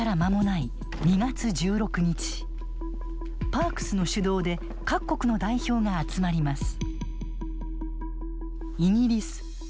パークスの主導で各国の代表が集まります。